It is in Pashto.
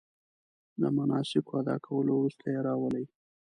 د مناسکو ادا کولو وروسته یې راولي.